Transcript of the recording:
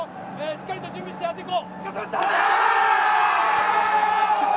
しっかりと準備してやってこ。